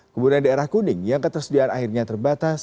kemudian daerah kuning yang ketersediaan airnya terbatas